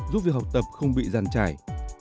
giúp việc học tập không bị giàn trải